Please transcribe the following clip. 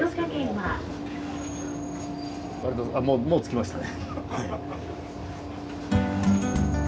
あもう着きましたね。